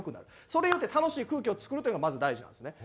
それによって楽しい空気を作るというのがまず大事なんですね。